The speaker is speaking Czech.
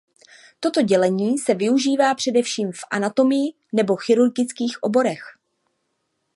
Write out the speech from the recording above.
Toto dělení se využívá především v anatomii nebo chirurgických oborech.